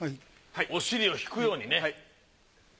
お尻を引くようにね。